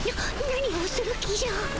何をする気じゃ。